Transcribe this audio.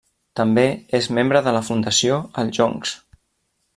També és membre de la Fundació Els Joncs.